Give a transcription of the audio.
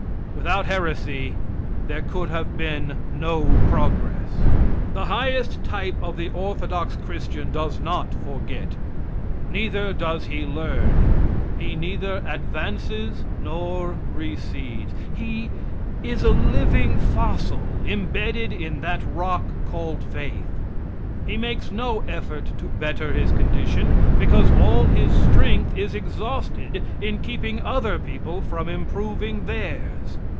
Without heresy there could have been no progress. The highest type of the orthodox christian does not forget. Neither does he learn. He neither advances nor recedes. He is a living fossil, imbedded in that rock called faith. He makes no effort to better his condition, because all his strength is exhausted in keeping other people from improving theirs.